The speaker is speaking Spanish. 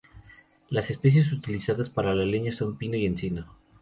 Las especies utilizadas para leña son pino y encino.